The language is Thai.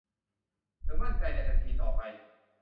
เธอมั่นใจในทันทีต่อไป